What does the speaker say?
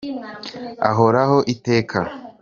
Ahoraho iteka